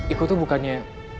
iko tuh bukannya